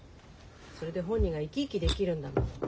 それで本人が生き生きできるんだもん。